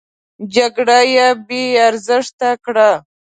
جرګه يې بې ارزښته کړه.